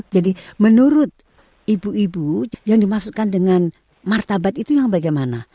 jadi menurut ibu ibu yang dimasukkan dengan martabat itu yang bagaimana